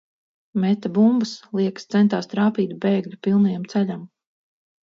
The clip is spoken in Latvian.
Meta bumbas, liekas centās trāpīt bēgļu pilnajam ceļam.